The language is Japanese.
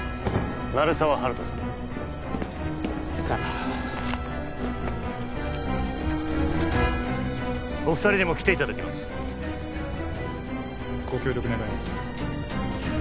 鳴沢温人さんさっお二人にも来ていただきますご協力願います